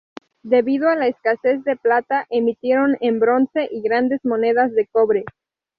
Debido a la escasez de plata, emitieron en bronce y grandes monedas de cobre.